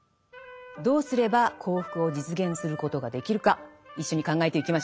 どうすれば幸福を実現することができるか一緒に考えてゆきましょう。